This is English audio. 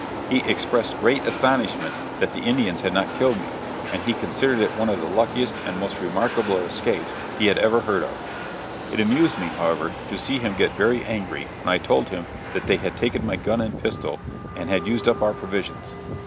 He expressed great astonishment that the Indians had not killed me, and he considered it one of the luckiest and most remarkable escapes he had ever heard of. It amused me, however, to see him get very angry when I told him that they had taken my gun and pistol and had used up our provisions.